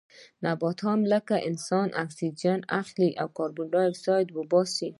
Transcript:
نباتات هم لکه انسانان اکسیجن اخلي او کاربن ډای اکسایډ وباسي